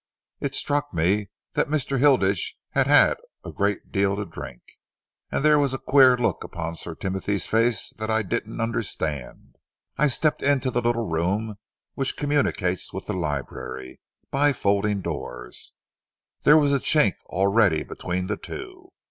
It struck me that Mr. Hilditch had had a great deal to drink, and there was a queer look on Sir Timothy's face that I didn't understand. I stepped into the little room which communicates with the library by folding doors. There was a chink already between the two.